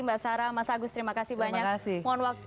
mbak sarah mas agus terima kasih banyak